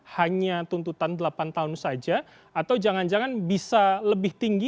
hanya tuntutan delapan tahun saja atau jangan jangan bisa lebih tinggi